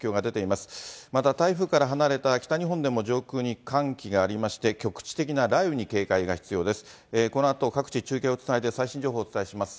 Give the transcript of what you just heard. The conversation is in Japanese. また台風から離れた北日本でも上空に寒気がありまして、局地的な雷雨に警戒が必要です。